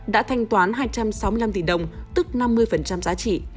đã thanh toán hai trăm sáu mươi năm tỷ đồng tức năm mươi giá trị